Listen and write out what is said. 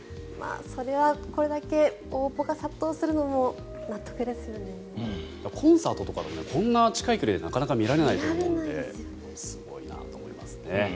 それはこれだけ応募が殺到するのもコンサートとかでもこんなに近い距離でなかなか見られないと思うのですごいなと思いますね。